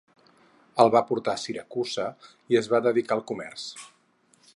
El va portar a Siracusa i es va dedicar al comerç.